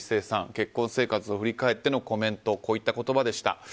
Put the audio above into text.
結婚生活を振り返ってのコメント、こういった言葉でした。